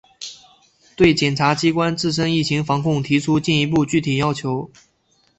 对检察机关自身疫情防控提出进一步具体要求